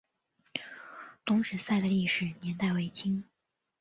东石寨的历史年代为清。